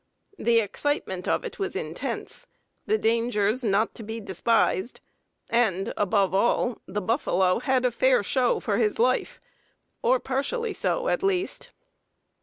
The excitement of it was intense, the dangers not to be despised, and, above all, the buffalo had a fair show for his life, or partially so, at least.